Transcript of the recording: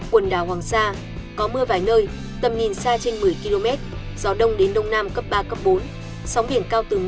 quần đảo hoàng sa có mưa vài nơi tầm nhìn xa trên một mươi km gió đông đến đông nam cấp ba cấp bốn sóng biển cao từ một mươi